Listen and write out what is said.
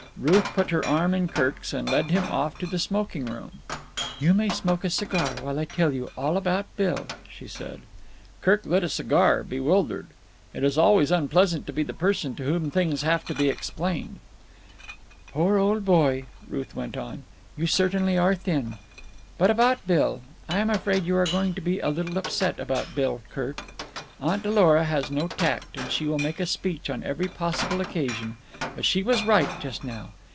Ruth put her arm in Kirk's and led him off to the smoking room. "You may smoke a cigar while I tell you all about Bill," she said. Kirk lit a cigar, bewildered. It is always unpleasant to be the person to whom things have to be explained. "Poor old boy," Ruth went on, "you certainly are thin. But about Bill. I am afraid you are going to be a little upset about Bill, Kirk. Aunt Lora has no tact, and she will make a speech on every possible occasion; but she was right just now.